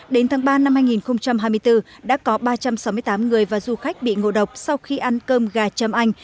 đến tháng ba năm hai nghìn hai mươi bốn đã có ba trăm sáu mươi tám người và du khách bị ngộ độc sau khi ăn cơm gà châm anh